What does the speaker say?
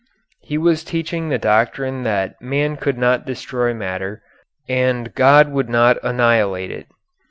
He was teaching the doctrine that man could not destroy matter and God would not annihilate it.